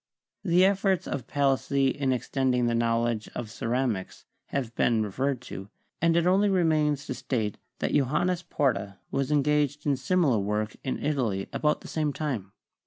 The efforts of Palissy in extending the knowledge of ceramics have been referred to, and it only remains to state that Johannes Porta was engaged in similar work in Italy about the same time.